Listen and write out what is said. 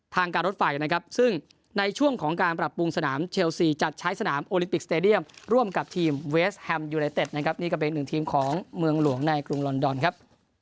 ทางการรถไฟนะครับซึ่งในช่วงของการปรับปรุงสนามเชลซีจัดใช้สนามโอลิมปิกสเตดียมร่วมกับทีมเวสแฮมยูไนเต็ดนะครับนี่ก็เป็นหนึ่งทีมของเมืองหลวงในกรุงลอนดอนครับ